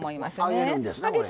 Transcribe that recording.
揚げるんですなこれ。